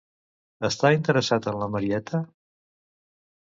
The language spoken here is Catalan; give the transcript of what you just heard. Està interessat en la Marietta?